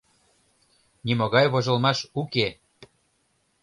Нимогай вожылмаш уке!